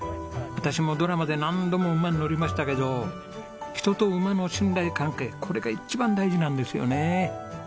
私もドラマで何度も馬に乗りましたけど人と馬の信頼関係これが一番大事なんですよね。